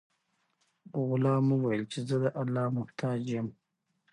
غلام وویل چې زه د الله محتاج یم.